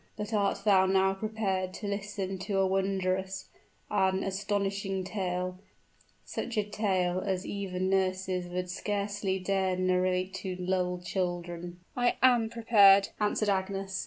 "But art thou now prepared to listen to a wondrous an astonishing tale such a tale as even nurses would scarcely dare narrate to lull children " "I am prepared," answered Agnes.